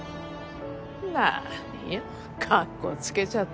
何よかっこつけちゃって。